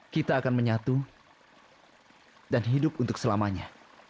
kita akan menyatu dan hidup untuk selamanya